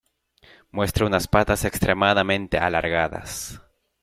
Muestra unas patas extremadamente alargadas.